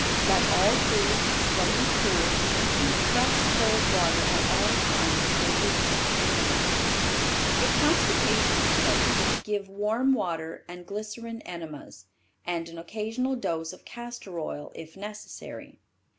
Let all food be slightly cool, and keep fresh cold water at all times within reach of the animal. If constipation be present give warm water and glycerine enemas, and an occasional dose of castor oil if necessary.